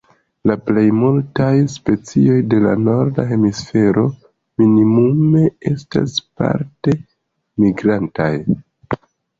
La plej multaj specioj de la Norda Hemisfero minimume estas parte migrantaj.